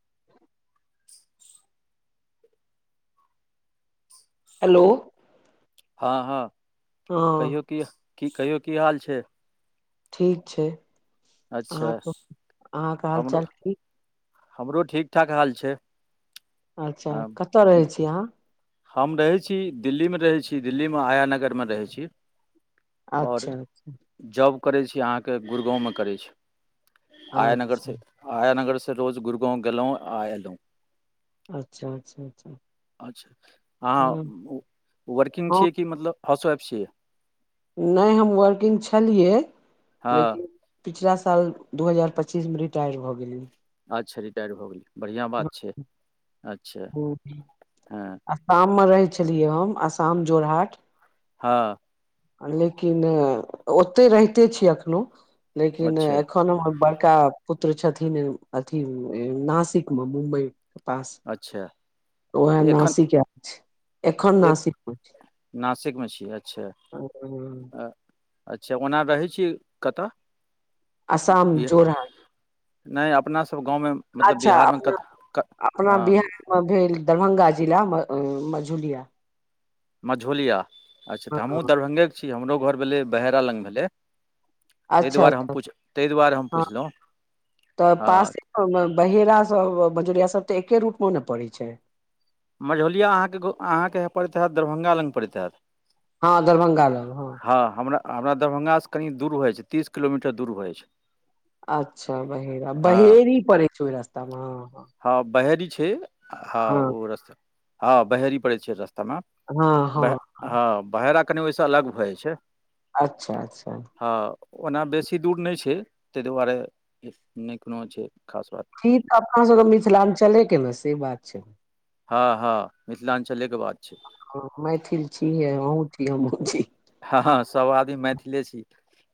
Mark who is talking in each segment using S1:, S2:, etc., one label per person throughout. S1: [inaudible] Hello
S2: हँ हँ
S1: हँ
S2: कहियौ की की कहियौ की हाल छै
S1: ठीक छै
S2: अच्छा
S1: अहाँके अहाँके
S2: हमरो
S1: हालचाल ठीक
S2: हमरो ठीक ठाक हाल छै
S1: अच्छा
S2: हँ
S1: कतय रहै छी अहाँ
S2: हम रहै छी दिल्लीमे रहै छी दिल्लीमे हाया नगरमे रहै छी आओर
S1: अच्छा अच्छा
S2: जॉब करैत छी अहाँके गुुरगाँवमे करैत छी हाया
S1: अच्छा
S2: नगरसँ हाया नगर से रोज गुरुगाँंव गेलहुँं आ एलहुँ
S1: अच्छा अच्छा अच्छा
S2: अच्छा
S1: हँ
S2: अहाँ वर्किंग
S1: हँ
S2: छियै कि मतलब हाउसवाइफ छियै
S1: नहि हम वर्किंग छलियै
S2: हँ
S1: लेकिन पिछला साल दू हजार पच्चीसमे रिटायर भऽ गेलियै
S2: अच्छा रिटायर भऽ गेलियै बढ़ियाँ बात छै अच्छा
S1: हुम्म
S2: हँ
S1: आसाममे रहै छलियै हम आसाम जोर हाट
S2: हँ
S1: लेकिन ओतहि रहिते छीयै एखनोह लेकिन
S2: अच्छा
S1: एख कोन बड़का पुत्र छथिन, अथी नासिकमे, मुम्बईके पास।
S2: अच्छा
S1: ओह,
S2: तऽ एखन
S1: नासिक गेल छै एखन
S2: एक
S1: नासिक।
S2: नासिकमे छी, अच्छा अच्छा, ओना रहैत छी कतय।
S1: असाम जोरा
S2: नैय अपना सब गाँव मे मतलब
S1: अच्छा
S2: बिहारमे
S1: अपना
S2: कत क
S1: अपना
S2: हँ
S1: बिहारमे भेल, दरभंगा जिला, मझौलिया।
S2: मझुलिया अच्छा, तऽ हमहूँ दरभंगेके छी, हमरो घर भेलै बहेरा लग भेलै। तैँ
S1: अच्छा
S2: दुआरे हम
S1: अच्छा
S2: पुछ, तैँ दुआरे हम पुछलौ हँ।
S1: बहेरा सऽ मजुरिया सभ तऽ एके रूट मे न पड़ै छै।
S2: मझौलिया अहाँके अहाँके परैत हैत दरभंगा लग पड़ैत हैत।
S1: हँ दरभंगा लग
S2: हँ हमरा हमरा दरभंगासँ कनि दूर होइ छै। तीस किलोमीटर दूर भऽ जाय छैय।
S1: अच्छा बहेरा बहेरी पड़े छै। ओहि रास्तामे हँ हँ
S2: हँ बहेरी छै। हँ ओ रस्ता हँ बहेरी पड़ै छै। रस्तामे
S1: हँ
S2: बह
S1: हँ
S2: हँ बहेरा कनि ओहिसँ अलग भऽ जाइ छै।
S1: अच्छा अच्छा
S2: हँ ओना बेसी दूर नहि छै। तैय दुआरे नहि कोनो छै। खास बात
S1: ई तऽ अपना सभके मिथिलांचलके ने बात छियै।
S2: हँ हँ मिथिलांचले के बात छैय।
S1: मैथिल छीहे आहो छी, हमहुँ छी।
S2: हँ हँ सभ आदमी मैथिले छी।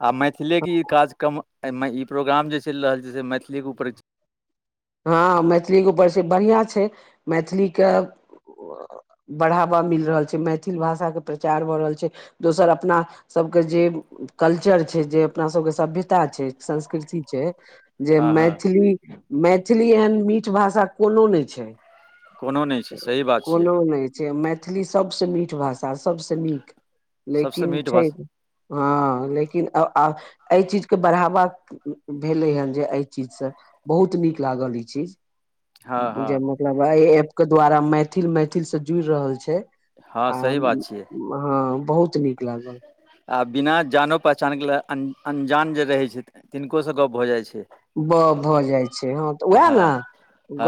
S2: आ मैथिलेके ई कार्यक्रम एहिमे ई प्रोग्राम जे चलि रहल छै, से मैथिलीके ऊपर।
S1: हँ मैथिली ऊपरसँ बढ़िआँ छै। मैथिलीके बढ़ावा मिल रहल छै, मैथिल भाषाके प्रचार भऽ रहल छै दोसर अपना। सभके जे कल्चर छै, जे अपना सभके सभ्यता छै, संस्कृति छै। जे
S2: हँ हँ
S1: मैथिली, मैथिली एहन मीठ भाषा कोनो नहि छै।
S2: कोनो नहि छै। सही बात छैय
S1: से मैथिली सबसँ मीठ भाषा, सबसँ नीक,
S2: सभसँ
S1: लेकिन
S2: मीठ
S1: छैय।
S2: भाषा
S1: हँ, लेकिन एहि चीजके बढ़ावा। भेलै हन, जे एहि चीजसँ बहुत नीक लागल, ई चीज
S2: हँ
S1: जे।
S2: हँ
S1: मतलब एहि ऐपके द्वारा मैथिल मैथिलसँ जुड़ि रहल छै
S2: हँ
S1: आ।
S2: सही बात छियै
S1: हँ बहुत नीक लागल।
S2: आ बिना जान पहिचानके लऽ, अनजान जे रहै छै तिनकोसँ गप भऽ जाइ छै।
S1: बऽ भऽ जाइ छै, हँ तऽ उएह ने,
S2: हँ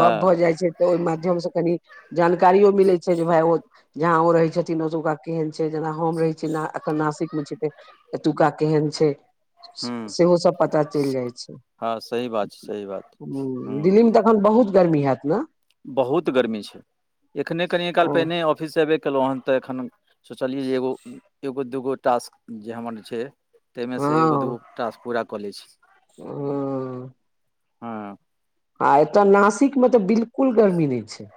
S1: गप भऽ जाइ छै। तऽ ओहि माध्यमसँ कनि जानकारियो मिलै छै, जे भाय, ओ जहाँ ओ रहै छथिन, ओका। केहन छैय, जेना हम रहै छी एखन नासिकमे छी तऽ एतुका केहन छैय।
S2: हँ
S1: सेहो सभ पता चलि जाइ छैय।
S2: हँ सही बात छै सही बात
S1: ह
S2: हँ
S1: दिल्ली मे तऽ अखन बहुत गर्मी हैत न?
S2: बहुत गर्मी छैय। एखन कनि काल
S1: हँ
S2: पहिने ऑफिससँ आबै कएलहुँ हँ तऽ एखन सोचलियै जे एगो। एगो दुगो टास्क जे हमर छैय। ताहिमे से एगो दूगो
S1: हँ
S2: टास्क पूरा कऽ लैय छी। हँ
S1: आ एतय नासिक में तऽ बिल्कुल गर्मी नैय छैय।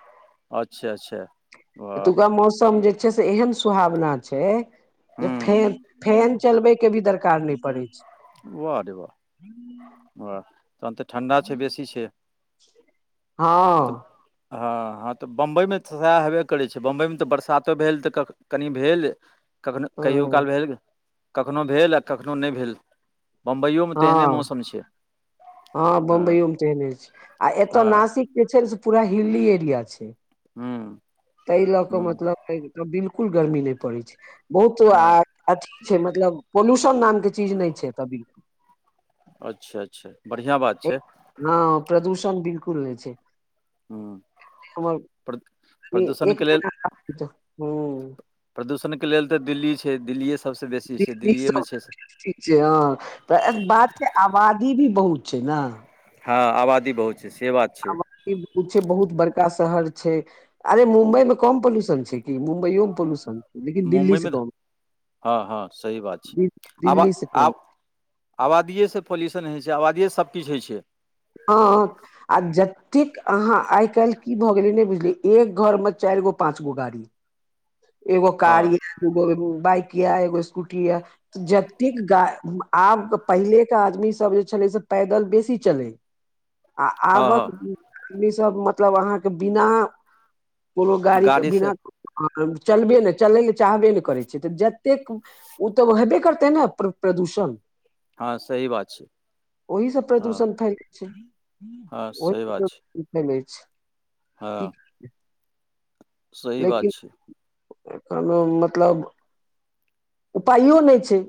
S2: अच्छा अच्छा वाह
S1: एतुका मौसम जे छै। से एहन सुहावना छैय जे
S2: हूँ
S1: फैन फैन चलबैके भी दरकार नहि पड़ै छैय
S2: वाह रे वाह वाह तहन तऽ ठण्डा छै बेसी छै तऽ
S1: हँ
S2: हँ हँ तऽ बम्बइमे तऽ सेहे हेबे करैत छै बम्बइमे तऽ बरसातो भेल तऽ क कनि भेल कखनो कहियो
S1: ह
S2: काल भेल कखनो भेल आ कखनो नय भेल बम्बइयोमे तेहने
S1: हँ
S2: मौसम छै
S1: हँ बम्बइयो मे तेहने छै आ एतय
S2: हँ
S1: नासिक जे छै ने से पूरा हिल्ली एरिया छै
S2: हूं
S1: ताहि लऽ कऽ मतलब बिल्कुल गर्मी नै पड़ैत छै बहुतो
S2: हँ
S1: आ अथी छै मतलब पोल्यूशन नाम के चीज नहि छै कभी
S2: अच्छा अच्छा बढ़िआँ बात छै
S1: हँ प्रदूषण बिल्कुल नहि छै
S2: हूँ
S1: हमर
S2: प्र
S1: एक
S2: प्रदूषणके लेल
S1: ह
S2: प्रदूषणके लेल तऽ दिल्ली छै दिल्लिए सभसँ बेसी छै दिल्लिएमे छै से
S1: से ह त एक बात के आबादी भी बहुत छै न
S2: हँ आबादी बहुत छै से बात छै
S1: आब उ छैय बहुत बड़का शहर छैय अरे मुम्बई में कम पॉल्यूशन छैय कि मुम्बइयो मे पोल्यूशन छै लेकिन दिल्ली से
S2: मुम्बइमे तऽ
S1: कम
S2: हँ हँ सही बात
S1: दि-
S2: छै आब
S1: दिल्ली से कम
S2: आब आबादिएसँ पॉल्यूशन होय छैय आबादिएसँ सभकिछु होय छैय
S1: हाप आ जतेक अहाँ आय काल्हि की भऽ गेलै ने बुझलिय एक घर मे चारि गो पांच गो गाड़ी एगो
S2: हँ
S1: कार यऽ दू गो बाइक य एगो स्कूटी यऽ ऽ जतेक गा आब पहिलेके आदमीसभ जे छलै से पैदल बेसी चलै
S2: [unintelligible]
S1: आ आबक
S2: हँ
S1: ई सब मतलब अहाँके बिना कोनो गाड़ीके
S2: गाड़ीसँ
S1: बिना चलबे ने चलय लए चाहबे ने करै छै तऽ जतेक ओ तऽ हेबे करतेै न प्र प्रदूषण
S2: हँ सही बात छै
S1: ओहिसँ
S2: हँ
S1: प्रदूषण फैले छै
S2: हँ
S1: ओ ओ पैलेस छै की
S2: हाँ
S1: करबै।
S2: सही बात छै
S1: एखनो मतलब उपायो नहि छै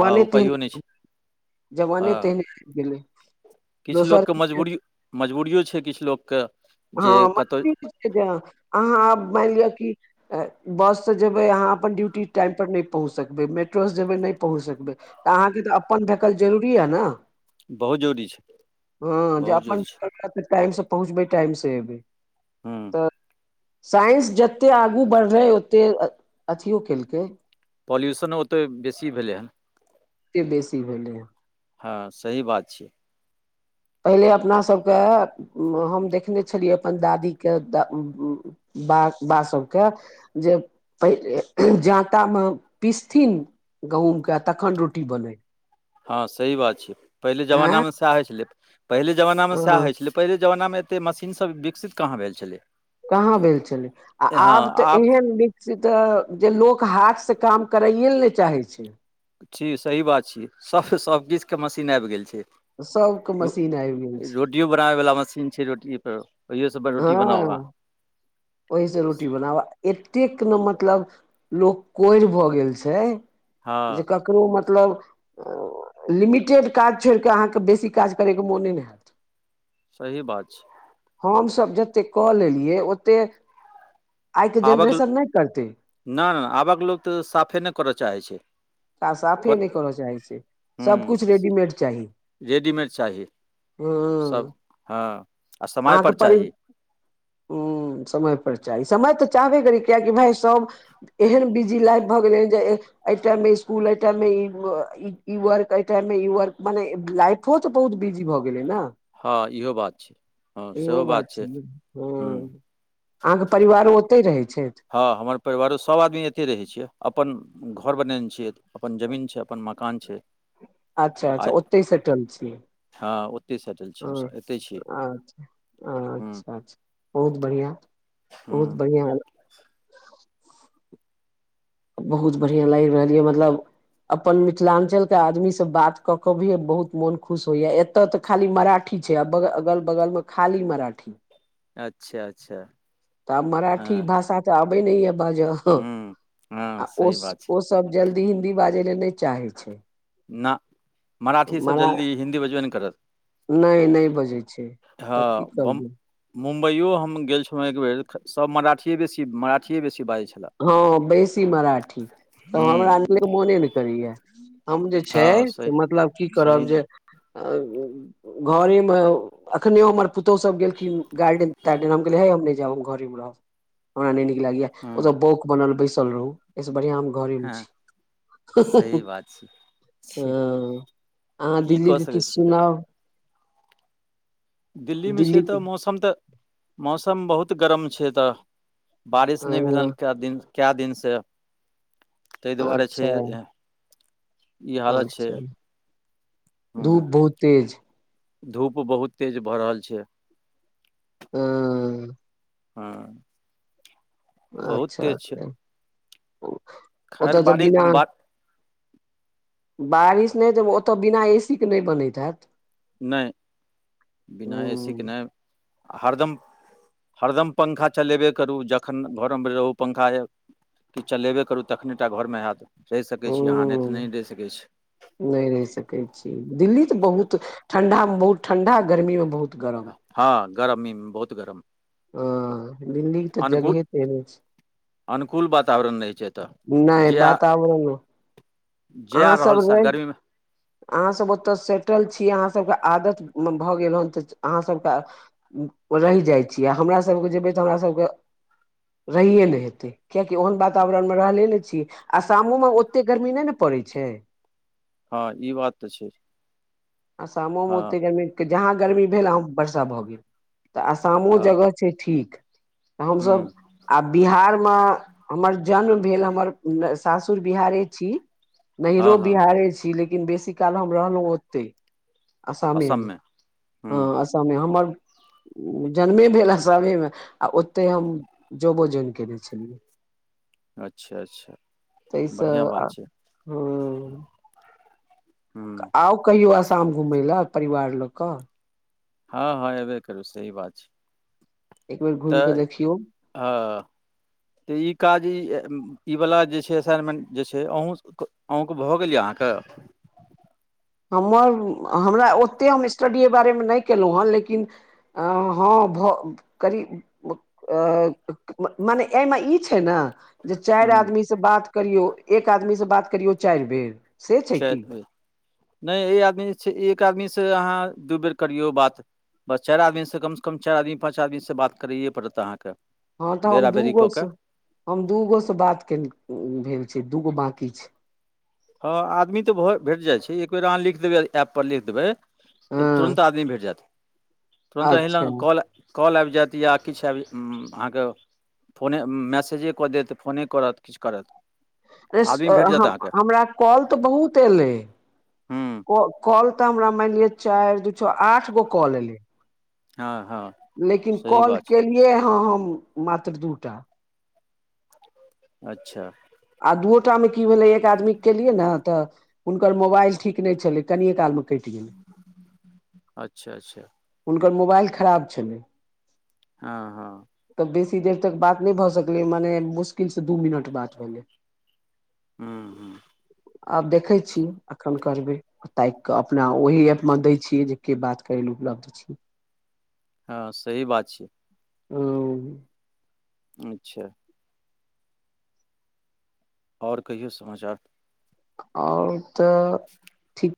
S2: हँ
S1: तिन
S2: उपायो नहि छै
S1: जवानी तेहने आबि गेलै
S2: किछ लोकके
S1: दोसर
S2: मजबूरी मजबूरिओ छै किछ लोककेँ
S1: हँ मजबुरी अहाँ अब मानि लिय कि बससँ जेबै अहाँ अपन ड्यूटी टाइमपर नहि पहुँच सकबै मेट्रोसँ जेबै नहि पहुँच सकबै तऽ अहाँके तऽ अपन धेकल जरूरी यए न
S2: बहुत जरूरी छै
S1: हँ जे
S2: बहुत
S1: अपन
S2: जरूरी छै
S1: टाइम से पहुँचबै टाइम से एबै
S2: हूँ
S1: तऽ साइंस जतेक आगू बढ़लै ओतेक अथियो केलकै
S2: पॉल्युशनो ओतेक बेसी भेलै हँ
S1: कतेक बेसी भेलैँ हं
S2: हँ सही बात छियै
S1: पहिले अपनासभके हम देखने छलियै अपन दादीके द बा बासब के जे पहिने जाँतामे पिसथिन गहुँमके आ तखन रोटी बनै
S2: हँ सही बात छियै पहिले
S1: आँय
S2: जमानामे सएह होइ छलै पहिले जमानामे सएह
S1: हँ
S2: होइ छलै पहिले जमानामे एतेक मशीन सब विकसित कहाँ भेल छलै
S1: कहाँ भेल छलै आ आब तऽ एहन से तऽ जे लोक हाथ से काम करैए ल नय चाहे छै
S2: छि सही बात छियै सभ सभकिछुके मशीन आबि गेल छै
S1: सबके
S2: रो
S1: मशीन आबि गेल छै
S2: रोटियो बनाबय वाला मशीन छै रोटी पर ओहि सब रोटी बनाउ अहाँ
S1: ओहीसँ रोटी बनाब एतेक ने मतलब लोक कोरि भऽ गेल छै
S2: हँ
S1: जे क ककरो मतलब लिमिटेड काज छोड़ के अहाँके बेसी काज करय के मोने ने हत
S2: सही बात छै
S1: हम सब जते कऽ लेलियै ओते आइ के
S2: आबक
S1: जेनरेशन नहि करते
S2: नहि नहि आबक लोक तऽ साफे नहि करय चाहै छै
S1: आ साफे
S2: कर
S1: नहि करय चाहै छै
S2: हूँ
S1: सभकिछु रेडीमेड चाही
S2: रेडीमेड चाही
S1: ह
S2: सभ हँ आ
S1: अहाँके
S2: समयपर
S1: परि
S2: चाही
S1: ह समय पर चाही समय त चाहबे करी कियाकि भाय सब एहन बिजी लाइफ भ गेलै जे एहि टाइम मे इकूल ए टाइम मे इ वर्क ए टाइम मे इ वर्क माने लाइफो त बहुत बिजी भ गेले ने
S2: हँ इहो बात छै
S1: इहो बात छै ने ह
S2: हुँ
S1: अहाँके परिवारो ओतहि रहै छैथ
S2: हँ हमर परिवारो सब आदमी एते रहे छिय अपन घर बनेने छीे अपन जमीन छै अपन म कान छै
S1: अच्छा
S2: आ
S1: अच्छा ओते सेटल छी
S2: हँ ओतहि सेटल छी
S1: ह
S2: हमसभ एतहि छी
S1: अचछा
S2: हुँ
S1: अच्छा अच्छा बहुत बढ़िआ बहुत
S2: हुँ
S1: बढ़िआ बहुत बढ़िआँ लागि रहल य मतलब अपन मिथिलांचल के आदमी से बात कऽ कऽ भी बहुत मोन खुश होइया ए एतऽ तऽ खाली मराठी छै ब अगल बगल मे खाली मराठी
S2: अच्छा अच्छा
S1: तब मराठी
S2: हँ
S1: भाषा त आबे नहि य बाज
S2: हुँ
S1: आ
S2: हँ
S1: ओ
S2: सही बात छै
S1: ओ सब जल्दी हिन्दी बाजै ले नहि चाहे छै
S2: न मराठीसभ
S1: मरा
S2: जल्दी हिन्दी बजबे नहि करत
S1: नहि नहि बजै छै तऽ की करबै
S2: मुम्बई ओ हम गेल छलहुँ एक बेेर सभ मराठिए बेसी मराठिए बेसी बाजै छलए
S1: हँ बेसी मराठी त हमरा
S2: हुँ
S1: मोने मोने ने करैया हम जे छै
S2: हँ
S1: से
S2: सही
S1: मतलब की करब
S2: सही
S1: जे घरेमे अखने हमर पुतहु सब गेलखिन गार्डेन तार्डेन हम गेल [unintelligible] हे हम नहि जाब हम घरे मे रहब ओरा नहि नीक लागै ओत
S2: हुँ
S1: बौक बनल बैसल रहु एहिस बढ़ियां हम घरे मे
S2: हँ
S1: छी ही ही ही
S2: सही बात छै छी
S1: हँ अहाँ
S2: की कऽ
S1: दिल्लीके
S2: सकै
S1: किछु
S2: छियै तऽ
S1: सुनाउ
S2: दिल्लीमे छै
S1: दिल्ली
S2: तऽ
S1: के
S2: मौसम तऽ मौसम बहुत गरम छै तऽ बारिश नहि
S1: हँ
S2: भेलनि कए दिन कए दिनसँ ताहि दुआरे छै
S1: अच्छा
S2: हालत छै
S1: अच्छा
S2: ह
S1: धूप बहुत तेज
S2: धूप बहुत तेज भऽ रहल छै
S1: ह
S2: हँ बहुत
S1: अच्छा
S2: तेज छै
S1: अच्छा ओतऽ
S2: खैर
S1: त
S2: बारी
S1: बिना
S2: बा
S1: बारिश नहि तऽ ओतय बिना एसीके नहि बनैत हैत
S2: नहि बिना एसीक
S1: हूं
S2: के नहि हरदम हरदम पंखा चलेबे करू जखन घरोमे रहू पंखा य कि चलेबे करू तखने टा घरमे हैत रहि
S1: ह
S2: सकै छी अहाँ नहि तऽ नहि रहि सकै
S1: नहि रहि सकै छी दिल्ली त
S2: छी
S1: बहुत ठंडा मे बहुत ठंडा गर्मी मे बहुत गरम
S2: हँ गरमी बहुत गरम
S1: ह दिल्ली के तऽ
S2: अनुकूल
S1: जगहे तेहने छै
S2: अनुकूल वातावरण नइ छैत
S1: नहि बातावरण
S2: जे आ
S1: अहाँ
S2: रहल
S1: सब
S2: स
S1: रहि
S2: गर्मीमे
S1: अहाँ सभ ओतय सेटल छीयै अहाँ सभ के आदत भऽ गेल हेन तऽ अहाँ सभ के रहि जाइ छीयै आ हमर सभ के जेबै तऽ हमर सभ के रहिए नहि हेतै किया की ओहन वातावरण मे रहले ने छी आसमो मे ओते गर्मी नहि ने पड़ै छै
S2: हँ ई बात तऽ छै
S1: आ सामो मे
S2: हँ
S1: ओते गर्मी जहाँ गर्मी भेल वहाँ वर्षा भऽ गेल तऽ आशामो
S2: हँ
S1: जगह छै ठीक हमस
S2: हुँ
S1: आ बिहार मे हमर जन्म भेल हमर सासुर बिहारे छी
S2: हँ
S1: नैहरो
S2: हँ
S1: बिहारे छी लेकिन लेकिन बेसी काल हम रहलहुँ ओते असमेमे
S2: असममे
S1: ह
S2: हुँ
S1: असमे हमर जन्मे भेल असमेमे आ ओते हम जॉबो जोइन केयने छलियै
S2: अच्छा अच्छा
S1: तैस
S2: बढ़िआँ बात छै
S1: ह
S2: हुँ
S1: आउ कहियो आसाम घूमय लए परिवार लोक
S2: हँ हँ एबे करबइ सही बात छै
S1: एक बेर घुम के
S2: तऽ
S1: देखियौ
S2: हँ त ई काजी ई ई वला जे छै असाइनमेंट जे छै अहँ अहूँ के भऽ गेल यै अहाँ के
S1: हमर हमरा ओतेक हम स्टडीे अई बारे मे नहि केलहुँ हेँ लेकिन हँ भऽ करीब अ मने एमे ई छै ने जे चारि
S2: हुँ
S1: आदमी से बात करियौ एक आदमी से बात करियौ चारि बेर से
S2: छै
S1: की
S2: नहि आदमी एक आदमी से अहाँ दू बेर करियौ बात बस चारि आदमी से कम से कम चार आदमी पाँच आदमी से बात करैयए पड़त अहाँ के
S1: हँ तऽ हम दूगो से हम दूगो से बात के भेल छी दूगो बकी छै
S2: हँ आदमी तऽ भ भेट जाइ छै एक बेेर अहाँ लिख देबै एप पर लिख देबै तऽ
S1: हँ
S2: तुरन्त आदमी भेट जायत तुरन्त अहिलऽ
S1: अच्छा
S2: कॉल कल आबि जायत या किछ आबि अहाँ के फोने मैसेजे कऽ देत फोने करत किछु करत
S1: अे
S2: आदमी भेट जायत
S1: हमरा
S2: अहाँके
S1: हमरा कल तऽ बहुत एलै
S2: हूँ
S1: कॉल तऽ हमरा मानि लि चारि दू छो आठ गो कॉल एले
S2: हँ हँ
S1: लेकिन
S2: सही
S1: कॉल
S2: बात छै
S1: केलियै हँ हम मात्र दू टा
S2: अच्छा
S1: आ दूओटा मे की भेलै एक आदमी केलियै ने तऽ हुनकर मोबाइल ठीक नहि छलै कनियए काल मे
S2: अच्छा अच्छा
S1: हुनकर मोबाइल खराब छलै
S2: हँ हँ
S1: तऽ बेसी देर तक बात नहि भऽ सकलै मने मुश्किल से दू मिनट बात भेलै
S2: हू हू
S1: आब देखै छी एखन करबै ताकि कऽ अपना ओहि एप मे दै छियै जे के बात करे ल उपलब्ध छी
S2: हँ सही बात छियै
S1: ह
S2: अच्छा आ ओर कहियो समाचार
S1: ओर तऽ
S2: [inaudible]
S1: ठीक